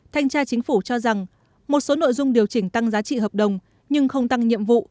thanh tra chính phủ cho rằng một số nội dung điều chỉnh tăng giá trị hợp đồng nhưng không tăng nhiệm vụ